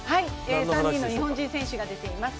３人の日本人選手が出ています。